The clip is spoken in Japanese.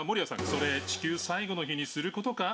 「それ地球最後の日にする事か？」